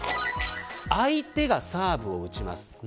相手がサーブを打ちます。